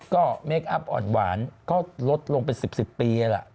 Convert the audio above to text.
ก็เมคอัพอ่อนหวานก็ลดลงเป็น๑๐ปีล่ะ